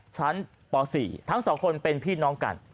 ชั้นป๔ทั้งสองคนเป็นพี่น้องกัน